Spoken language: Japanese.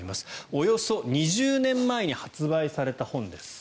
およそ２０年前に発売された本です。